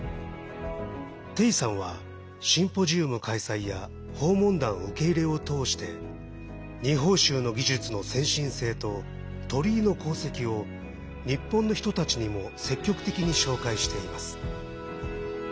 丁さんは、シンポジウム開催や訪問団受け入れを通して二峰しゅうの技術の先進性と鳥居の功績を日本の人たちにも積極的に紹介しています。